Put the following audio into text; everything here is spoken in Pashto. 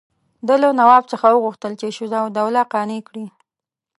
ده له نواب څخه وغوښتل چې شجاع الدوله قانع کړي.